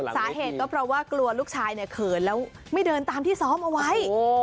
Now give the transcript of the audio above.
สาเหตุก็เพราะว่ากลัวลูกชายเนี่ยเขินแล้วไม่เดินตามที่ซ้อมเอาไว้